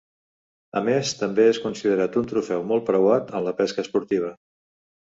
A més, també és considerat un trofeu molt preuat en la pesca esportiva.